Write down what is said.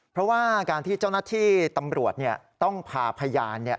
เพราะว่าการที่เจ้าหน้าที่ตำรวจต้องพาพยาน